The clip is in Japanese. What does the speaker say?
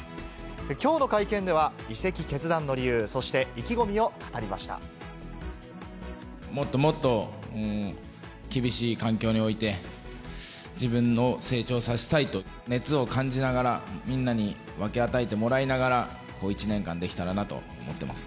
きょうの会見では、移籍決断の理もっともっと、厳しい環境において、自分を成長させたいと。熱を感じながら、みんなに分け与えてもらいながら、１年間できたらなと思っています。